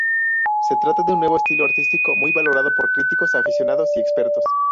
Se trata de un nuevo estilo artístico muy valorado por críticos, aficionados y expertos.